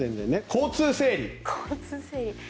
交通整理。